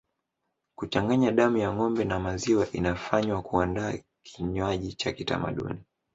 Kuchanganya damu ya ngombe na maziwa inafanywa kuandaa kinywaji cha kitamaduni